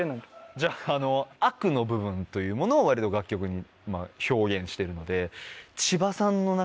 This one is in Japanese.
じゃあ悪の部分というものを割と楽曲に表現してるので。